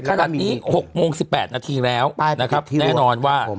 ขณะนี้๖โมง๑๘นาทีแล้วแน่นอนว่า